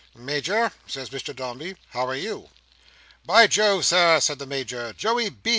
"Major," says Mr Dombey, "how are You?" "By Jove, Sir," says the Major, "Joey B.